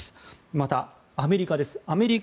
また、アメリカです。